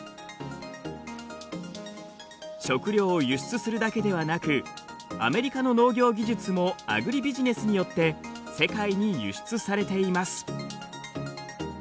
食料を輸出するだけではなくアメリカの農業技術もアグリビジネスによって世界に輸出されています。